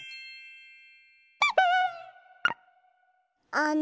あの。